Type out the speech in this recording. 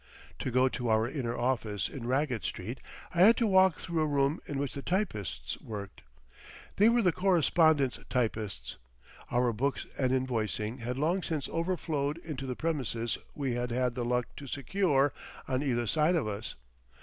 To go to our inner office in Raggett Street I had to walk through a room in which the typists worked. They were the correspondence typists; our books and invoicing had long since overflowed into the premises we had had the luck to secure on either side of us.